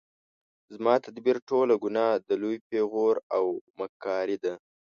زما تدبیر ټوله ګناه ده لوی پیغور او مکاري ده